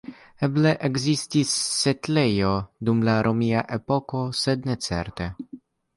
Eble ekzistis setlejo dum la romia epoko sed ne certe.